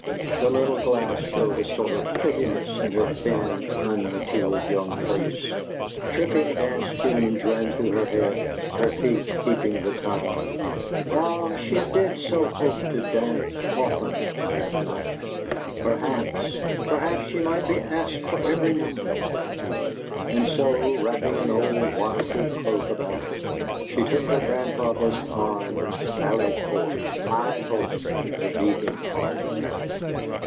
The little glass showed a sort of prettiness in her thin, unmatured young face; tripping dance tunes ran through her head, her feet keeping the time, ah, she did so hope to dance often that night! Perhaps perhaps she might be asked for every number. And so, wrapping an old waterproof cloak about her, she took her grandfather's arm and sallied forth, high hopes in her beating heart.